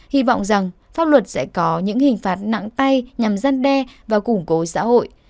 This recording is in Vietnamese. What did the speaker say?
hy vọng rằng pháp luật sẽ có những hình phạt nặng tay nhằm gian đe và củng cố xã hội